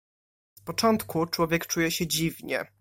"Z początku człowiek czuje się dziwnie."